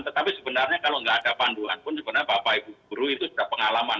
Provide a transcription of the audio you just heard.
tetapi sebenarnya kalau nggak ada panduan pun sebenarnya bapak ibu guru itu sudah pengalaman